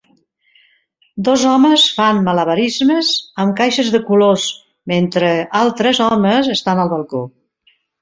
Dos homes fan malabarismes amb caixes de colors mentre altres homes estan al balcó.